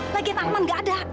lagian arman nggak ada